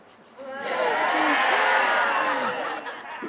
เยี่ยม